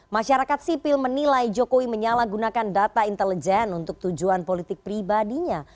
masyarakat sipil menilai jokowi menyalahgunakan data intelijen untuk tujuan politik pribadinya